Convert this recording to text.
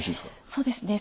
そうですね。